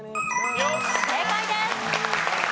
正解です。